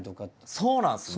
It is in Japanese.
そうなんですね。